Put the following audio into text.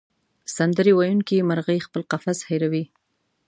سندرې ویونکې مرغۍ خپل قفس هېروي.